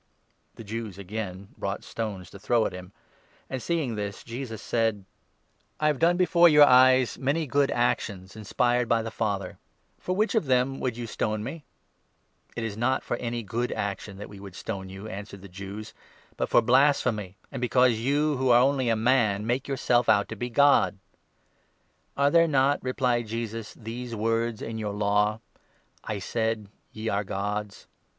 The Jews again brought stones to throw at him ; and seeing this, Jesus said : 8 Ps. 1 18. a6. *« Ezek. 34. 33. », Mace. 4. 59. JOHN, 10—11. 187 " I have done before your eyes many good actions, inspired by the Father ; for which of them would you stone me ?" "It is not for any good action that we would stone you," 33 answered the Jews, " but for blasphemy ; and because you, who are only a man, make yourself out to be God. "" Are there not," replied Jesus, " these words in your Law — 34 'I said " Ye are gods